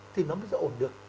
thì nó mới sẽ ổn được